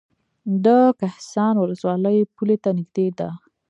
د کهسان ولسوالۍ پولې ته نږدې ده